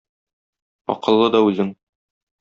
Акыллы да үзең.